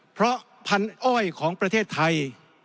เพราะพันธุ์อ้อยของประเทศไทย